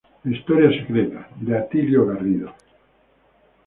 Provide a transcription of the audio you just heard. La historia secreta" de Atilio Garrido.